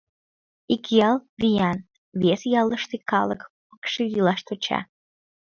Ик ял — виян, вес ялыште калык пыкше илаш тӧча.